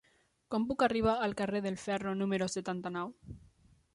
Com puc arribar al carrer del Ferro número setanta-nou?